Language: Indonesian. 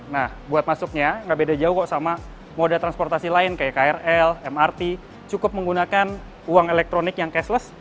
nah buat masuknya nggak beda jauh kok sama moda transportasi lain kayak krl mrt cukup menggunakan uang elektronik yang cashless